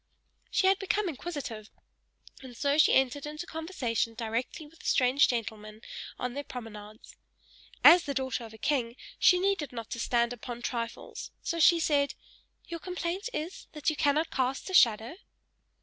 She had become inquisitive; and so she entered into conversation directly with the strange gentleman, on their promenades. As the daughter of a king, she needed not to stand upon trifles, so she said, "Your complaint is, that you cannot cast a shadow?"